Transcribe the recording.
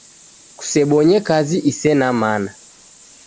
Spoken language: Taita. Kusebonye kazi isena mana